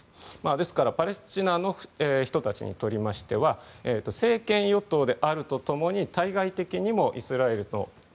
ですからパレスチナの人たちにとっては政権与党であると共に対外的にもイスラエルと